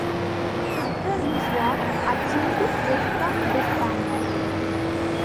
After this was achieved Redgum disbanded.